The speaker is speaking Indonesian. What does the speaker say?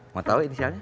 mau tau inisialnya